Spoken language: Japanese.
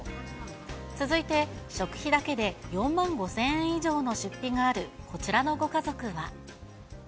続いて、食費だけで４万５０００円以上の出費があるこちらのご家族は。